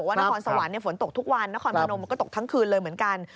นครสวรรค์ฝนตกทุกวันนครพนมมันก็ตกทั้งคืนเลยเหมือนกัน